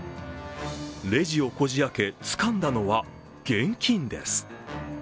レジをこじあけ、つかんだのは現金です。